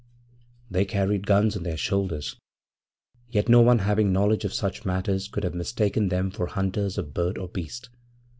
They carried guns on their shoulders, yet no one having knowledge of such matters could have mistaken them for hunters of bird or beast.